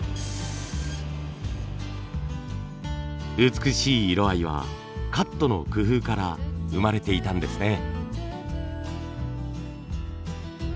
美しい色合いはカットの工夫から生まれていたんですね。